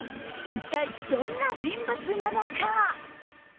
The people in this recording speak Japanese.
一体どんな人物なのか。